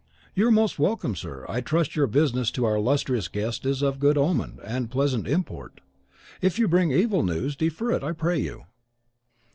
"You are most welcome, sir. I trust your business to our illustrious guest is of good omen and pleasant import. If you bring evil news, defer it, I pray you."